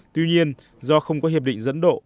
tuy nhiên do không có hiệp định dẫn độ